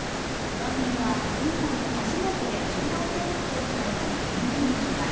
番組はブータンで初めて柔道教室を開いた日本人を取材。